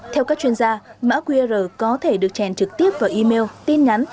theo các chuyên gia mã qr có thể được trèn trực tiếp vào email tin nhắn